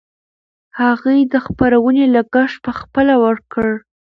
هغې د خپرونې لګښت پخپله ورکړ.